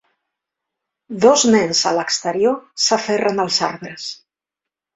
Dos nens a l'exterior s'aferren als arbres.